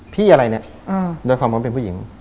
พี่อะไรด้วยความว่าเป็นผู้หญิง